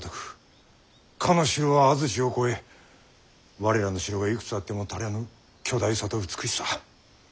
かの城は安土を超え我らの城がいくつあっても足らぬ巨大さと美しさ。